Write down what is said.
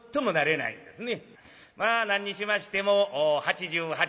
まあ何にしましても八十八